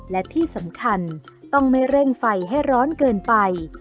และที่สำคัญต้องไม่เร่งไฟให้ร้อนเกินไป